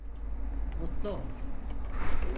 Mutlu ol!